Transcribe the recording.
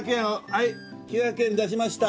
はい９００円出しました。